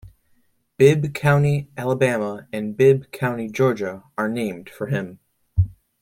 Bibb County, Alabama, and Bibb County, Georgia, are named for him.